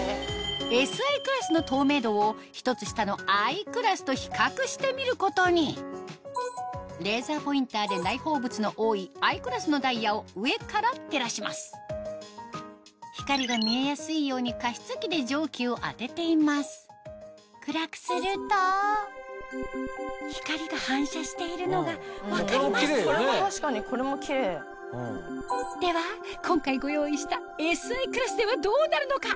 ＳＩクラスの透明度を１つ下のＩクラスと比較してみることにレーザーポインターで内包物の多いＩクラスのダイヤを上から照らします光が見えやすいように加湿器で蒸気を当てています暗くすると光が反射しているのが分かりますよねでは今回ご用意したＳＩクラスではどうなるのか？